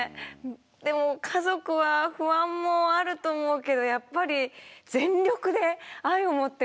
でも家族は不安もあると思うけどやっぱり全力で愛をもって応援してくれてるんですね。